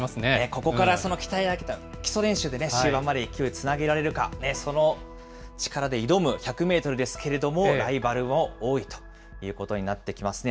ここからその鍛え上げた基礎練習で、終盤まで勢いつなげられるか、その力で挑む１００メートルですけれども、ライバルも多いということになってきますね。